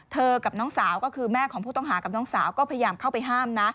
กับน้องสาวก็คือแม่ของผู้ต้องหากับน้องสาวก็พยายามเข้าไปห้ามนะ